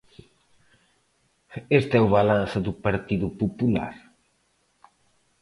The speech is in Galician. Este é o balance do Partido Popular.